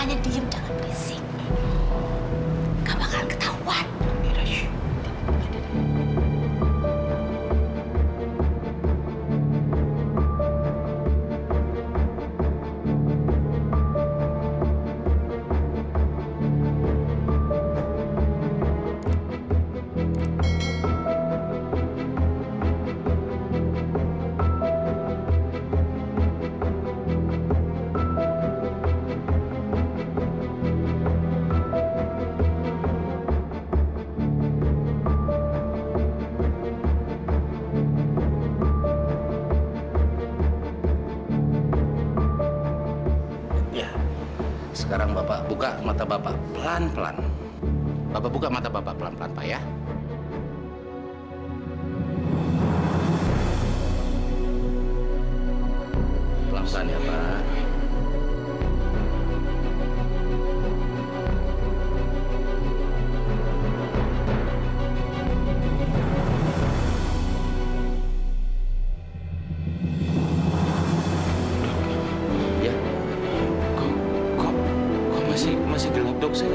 terima kasih banyak nek